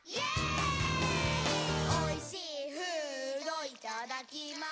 「おいしーフードいただきます」